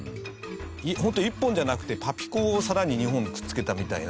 ホント１本じゃなくてパピィコをさらに２本くっつけたみたいな。